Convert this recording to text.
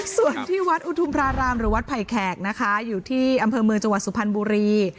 ส่วนที่วัดอุทุมพระรามหรือวัดไผ่แขกนะคะอยู่ที่อำเภอเมืองจังหวัดสุพรรณบุรี